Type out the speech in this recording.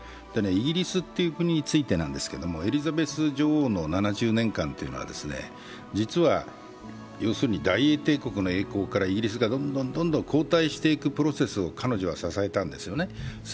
イギリスという国についてなんですけれどもエリザベス女王の７０年間というのは実は大英帝国の栄光からイギリスがどんどん後退していくプロセスを彼女は支えたんですね。